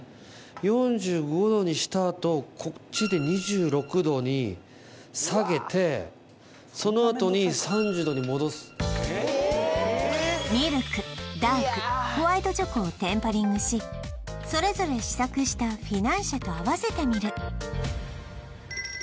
４５度にしたあとこっちで２６度に下げてそのあとに３０度に戻すミルクダークホワイトチョコをテンパリングしそれぞれ全然これじゃあです